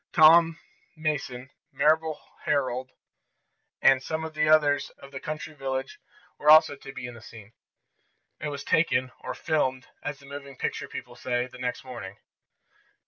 Tom Mason, Mabel Herold and some others of the country village were also to be in the scene. It was taken, or "filmed," as the moving picture people say, the next morning.